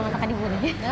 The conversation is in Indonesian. masakan di mulutnya